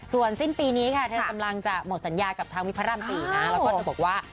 ส่วนสิ้นปีนี้ค่ะเธอสำหรับจะหมดสัญญาณกับทางวิภรรมสี่แล้วก็จะบอกว่า